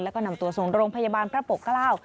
แล้วก็นำตัวส่งโรงพยาบาลพระปกเกล้า